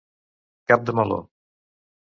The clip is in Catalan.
Cap de meló.